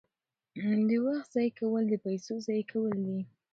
د وخت ضایع کول د پیسو ضایع کول دي.